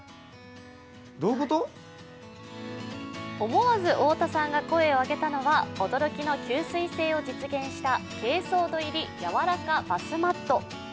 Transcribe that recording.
思わず太田さんが声を上げたのは驚きの吸水性を実現した珪藻土入りやわらかバスマット。